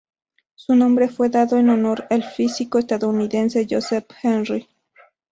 Su nombre fue dado en honor del físico estadounidense Joseph Henry.